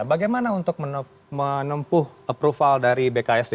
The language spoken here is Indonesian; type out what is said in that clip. bagaimana untuk menempuh approval dari bksda